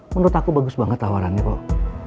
menurut aku bagus banget tawaran itu ya